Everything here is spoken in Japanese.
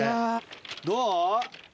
どう？